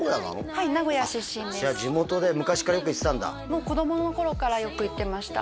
はい名古屋出身ですじゃあ地元で昔からよく行ってたんだもう子供の頃からよく行ってました